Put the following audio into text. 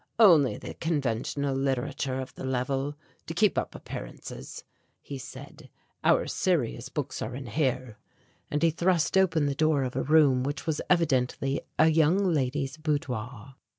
"Only the conventional literature of the level, to keep up appearances," he said; "our serious books are in here"; and he thrust open the door of a room which was evidently a young lady's boudoir.